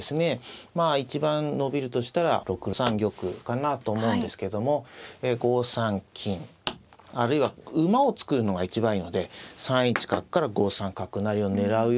まあ一番延びるとしたら６三玉かなと思うんですけども５三金あるいは馬を作るのが一番いいので３一角から５三角成を狙うような手を指されるとですね